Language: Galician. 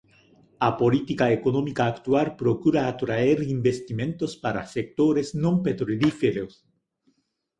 A política económica actual procura atraer investimentos para sectores non petrolíferos.